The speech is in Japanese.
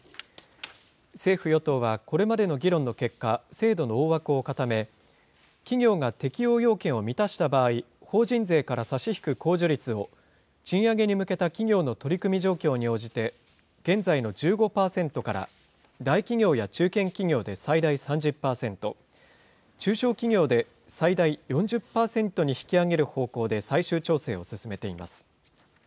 政府・与党はこれまでの議論の結果、制度の大枠を固め、企業が適用要件を満たした場合、法人税から差し引く控除率を、賃上げに向けた企業の取り組み状況に応じて、現在の１５％から大企業や中堅企業で最大３０％、中小企業で最大４０％に引き上げる方向で最終調整を進めています。